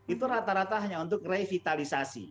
itu rata rata hanya untuk revitalisasi